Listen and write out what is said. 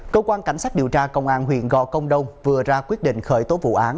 cơ quan cảnh sát điều tra công an huyện gò công đông vừa ra quyết định khởi tố vụ án